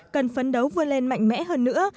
cần phấn đấu vươn lên mạnh mẽ hơn nữa